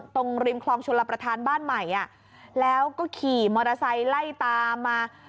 ตรงริมคลองชลประธานบ้านใหม่แล้วก็ขี่มอเตอร์ไซค์ไล่ตามมา